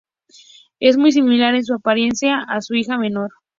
Es muy similar en su apariencia a su hija menor.